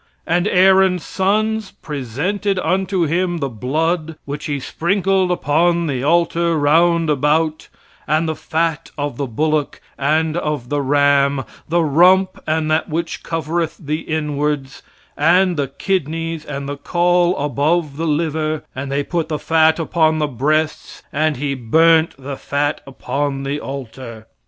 And Aaron's sons presented unto him the blood which he sprinkled upon the altar, round about, and the fat of the bullock and of the ram, the rump and that which covereth the inwards, and the kidneys, and the caul above the liver, and they put the fat upon the breasts and he burnt the fat upon the altar.